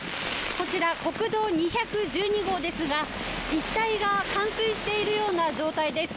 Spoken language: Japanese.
こちら、国道２１２号ですが、一帯が冠水しているような状態です。